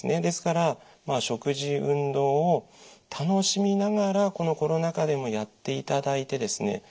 ですから食事運動を楽しみながらこのコロナ禍でもやっていただいてですね